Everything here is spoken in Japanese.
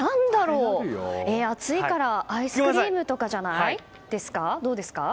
暑いからアイスクリームとかですか？